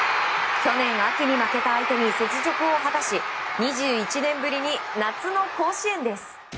去年秋に負けた相手に雪辱を果たし２１年ぶりに夏の甲子園です。